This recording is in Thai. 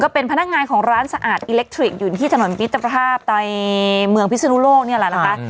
เป็นพนักงานของร้านสะอาดอิเล็กทริกอยู่ที่ถนนมิตรภาพในเมืองพิศนุโลกนี่แหละนะคะ